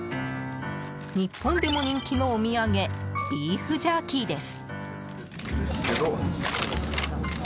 日本でも人気のお土産ビーフジャーキーです。